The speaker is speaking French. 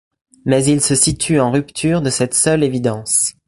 Mais ils se situent en rupture de cette seule évidence.